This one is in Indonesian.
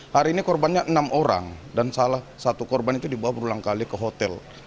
hari ini korbannya enam orang dan salah satu korban itu dibawa berulang kali ke hotel